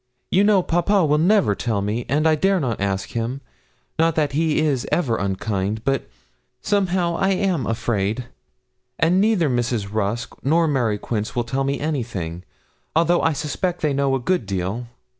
You know, papa will never tell me, and I dare not ask him; not that he is ever unkind, but, somehow, I am afraid; and neither Mrs. Rusk nor Mary Quince will tell me anything, although I suspect they know a good deal.'